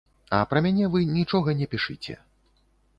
А пра мяне вы нічога не пішыце.